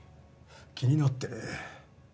気になってね。